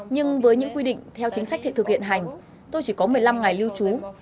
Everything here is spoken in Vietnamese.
nhưng với những quy định theo chính sách thị thực hiện hành tôi chỉ có một mươi năm ngày lưu trú